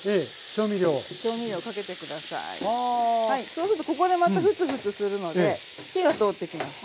そうするとここでまたフツフツするので火が通ってきます。